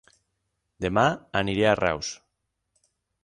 Dema aniré a Reus